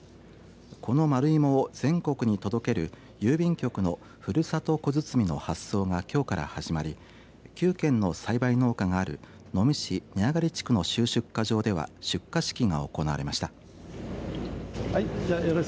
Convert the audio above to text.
この丸芋を全国に届ける郵便局のふるさと小包の発送がきょうから始まり９軒の栽培農家がある能美市根上地区の集出荷場では出荷式が行われました。